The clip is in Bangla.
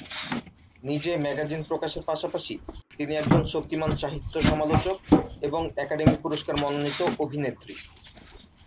নিজে ম্যাগাজিন প্রকাশের পাশাপাশি তিনি একজন শক্তিমান সাহিত্য সমালোচক এবং একাডেমি পুরস্কার মনোনীত অভিনেত্রী।